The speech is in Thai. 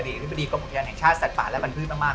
อดีตกรุงพยานแห่งชาติศาสตร์ฝ่าและบรรพื้นมาก